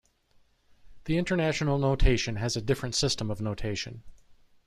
The international notation has a different system of notation.